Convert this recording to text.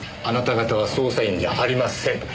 あなた方は捜査員じゃありません。